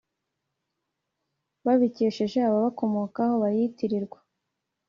babikesheje ababakomokaho bayitirirwa!